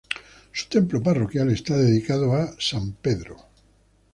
Su templo parroquial está dedicado a San Pedro.